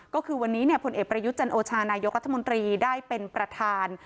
ก็คือวันนี้ผลเอกประยุทธ์จันโอชานายกรัฐมนตรีได้เป็นประธาน